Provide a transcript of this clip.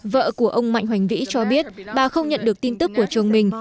vợ của ông mạnh hoành vĩ cho biết bà không nhận được tin tức của chồng mình